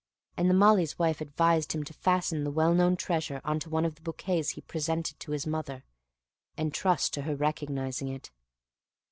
The Malee's wife advised him to fasten the well known treasure to one of the bouquets he presented to his mother, and trust to her recognizing it.